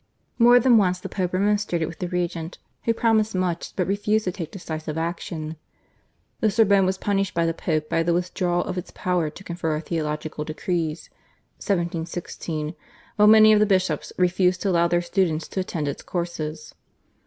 More than once the Pope remonstrated with the regent, who promised much but refused to take decisive action. The Sorbonne was punished by the Pope by the withdrawal of its power to confer theological decrees (1716), while many of the bishops refused to allow their students to attend its courses.